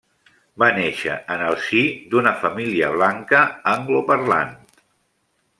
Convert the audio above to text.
Va néixer en el si d'una família blanca angloparlant.